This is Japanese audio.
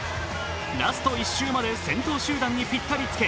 ラスト１周まで先頭集団にぴったりつけ